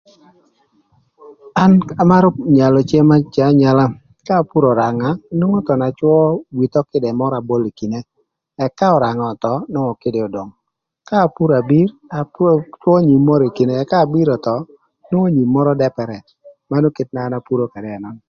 An amarö nyalo cem anyala ka apuro öranga nwongo thon acwö with ökïdë mörö abolo ï kine ëk ka öranga öthöö nwongo öranga odong ka apuro abir apuro acwö nyim mörö ï kine ka abir öthöö nwongo nyim mörö dëpërë manön kite na an apuro ködë ënön.